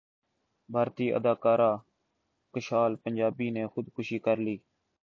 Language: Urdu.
بھارتی اداکار کشال پنجابی نے خودکشی کرلی